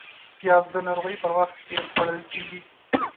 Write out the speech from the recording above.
پیاز د ناروغۍ پر وخت ډېر خوړل کېږي